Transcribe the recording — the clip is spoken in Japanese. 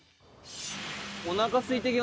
おなかすいてきました。